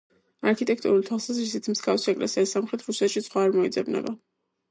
არქიტექტურული თვალსაზრისით მსგავსი ეკლესია სამხრეთ რუსეთში სხვა არ მოიძებნება.